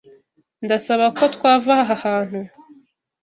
Ndasaba ko twava ahahantu